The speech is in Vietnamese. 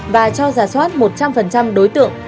và cho ra soát một trăm linh đối tượng